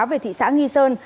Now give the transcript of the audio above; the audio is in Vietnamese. về thị xã nghi sơn